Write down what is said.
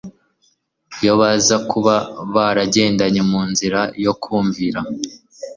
Iyo baza kuba baragendcye mu nzira yo kumvira,